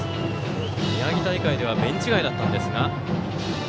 宮城大会ではベンチ外だったんですが。